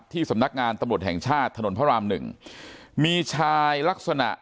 สำนักงานตำรวจแห่งชาติถนนพระรามหนึ่งมีชายลักษณะ